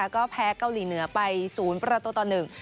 ก็แพ้เกาหลีเหนือไปศูนย์ประตูต่อหนึ่ง